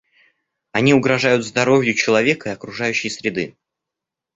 Они угрожают здоровью человека и окружающей среды.